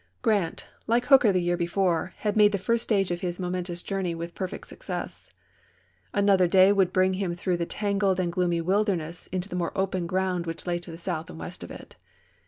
Grant, like Hooker the year before, had made the 358 ABRAHAM LINCOLN Chap. xiv. first stagG of his momentous journey with perfect success. Another day would bring him through the tangled and gloomy wilderness into the more open ground which lay to the south and west of it.